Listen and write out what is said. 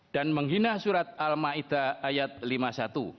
dan menghina surat al ma'idah lima puluh satu